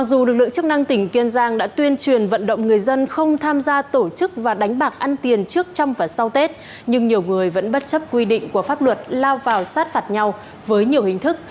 dù lực lượng chức năng tỉnh kiên giang đã tuyên truyền vận động người dân không tham gia tổ chức và đánh bạc ăn tiền trước trong và sau tết nhưng nhiều người vẫn bất chấp quy định của pháp luật lao vào sát phạt nhau với nhiều hình thức